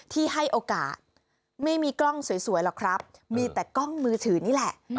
ที่ให้โอกาสไม่มีกล้องสวยหรอกครับมีแต่กล้องมือถือนี่แหละ